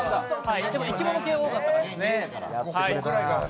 でも生き物系多かったですね。